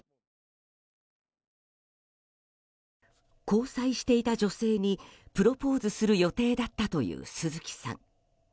交際していた女性にプロポーズする予定だったという鈴木さん。